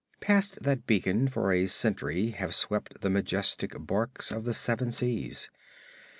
Past that beacon for a century have swept the majestic barques of the seven seas.